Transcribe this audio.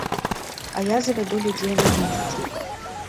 А я завяду людзей на месца.